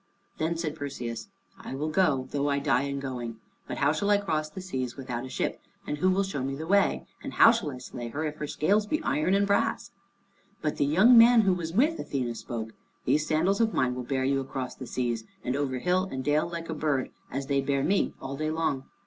Then said Perseus, "I will go, though I die in going. But how shall I cross the seas without a ship? And who will show me the way? And how shall I slay her, if her scales be iron and brass?" But the young man who was with Athene spoke, "These sandals of mine will bear you across the seas, and over hill and dale like a bird, as they bear me all day long.